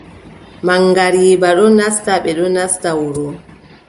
Maŋgariiba ɗon nasta, ɓe ɗon nasta wuro.